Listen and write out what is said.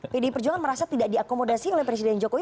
pdi perjuangan merasa tidak diakomodasi oleh presiden jokowi